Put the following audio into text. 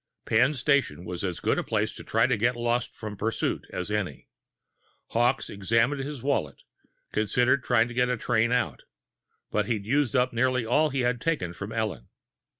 Penn Station was as good a place to try to get lost from pursuit as any. Hawkes examined his wallet, considering trying to get a train out but he'd used up nearly all he had taken from Ellen.